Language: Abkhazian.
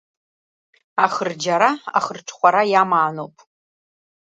Ахырџьара ахырҽхәара иамааноуп.